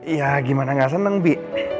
ya gimana gak seneng bi